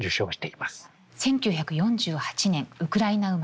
１９４８年ウクライナ生まれ。